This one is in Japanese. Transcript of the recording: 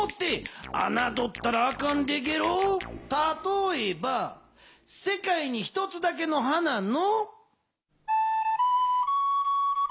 たとえば「世界に一つだけの花」の。